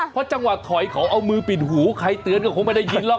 เพราะจังหวะถอยเขาเอามือปิดหูใครเตือนก็คงไม่ได้ยินหรอก